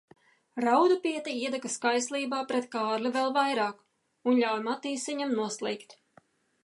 Raudupiete iedegas kaislībā pret Kārli vēl vairāk un ļauj Matīsiņam noslīkt.